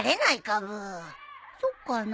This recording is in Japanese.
そっかな。